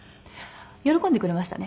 喜んでくれましたね。